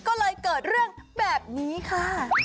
ก็เลยเกิดเรื่องแบบนี้ค่ะ